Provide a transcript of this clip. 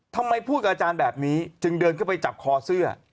พูดกับอาจารย์แบบนี้จึงเดินเข้าไปจับคอเสื้อ